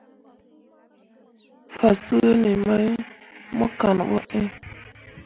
Fasǝǝni mai mo kan ɓo iŋ.